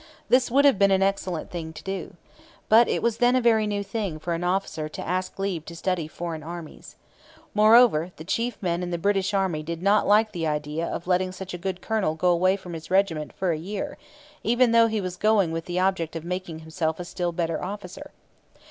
This would have been an excellent thing to do. But it was then a very new thing for an officer to ask leave to study foreign armies. Moreover, the chief men in the British Army did not like the idea of letting such a good colonel go away from his regiment for a year, even though he was going with the object of making himself a still better officer.